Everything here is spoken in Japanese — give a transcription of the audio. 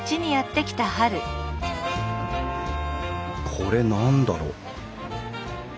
これ何だろう？